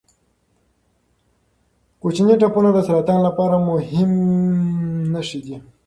کوچني ټپونه د سرطان لپاره مهم نښې دي.